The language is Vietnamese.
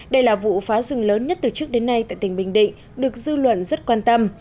đây là vụ phá rừng lớn nhất từ trước đến nay tại tỉnh bình định được dư luận rất quan tâm